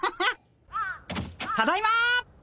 ただいま！